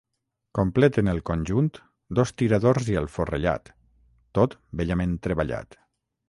Completen el conjunt dos tiradors i el forrellat, tot bellament treballat.